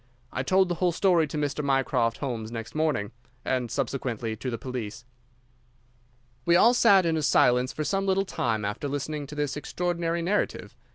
I told the whole story to Mr. Mycroft Holmes next morning, and subsequently to the police." We all sat in silence for some little time after listening to this extraordinary narrative.